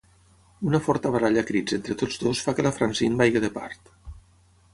Una forta baralla a crits entre tots dos fa que la Francine vagi de part.